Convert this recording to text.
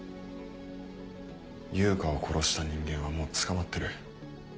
悠香を殺した人間はもう捕まってる。